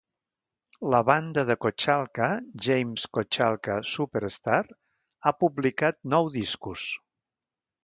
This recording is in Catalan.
La banda de Kochalka, James Kochalka Superstar, ha publicat nou discos.